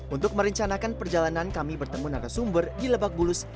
untuk merencanakan perjalanan kami bertemu naga sumber di lebak bulus